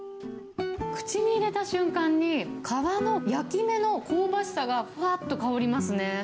口に入れた瞬間に、皮の焼き目の香ばしさが、ふわっと香りますね。